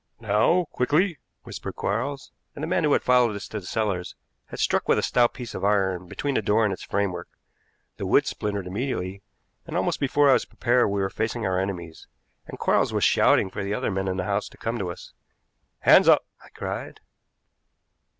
"Now quickly," whispered Quarles; and the man who had followed us to the cellars had struck with a stout piece of iron between the door and its framework. The wood splintered immediately, and, almost before I was prepared, we were facing our enemies, and Quarles was shouting for the other men in the house to come to us. "Hands up!" I cried.